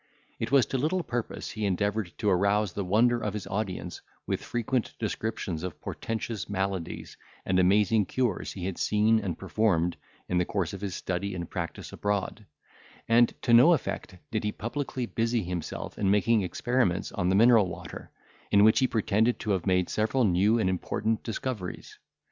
It was to little purpose he endeavoured to arouse the wonder of his audience with frequent descriptions of portentous maladies and amazing cures he had seen and performed in the course of his study and practice abroad; and to no effect did he publicly busy himself in making experiments on the mineral water, in which he pretended to have made several new and important discoveries.